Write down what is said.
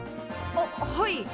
あっはい。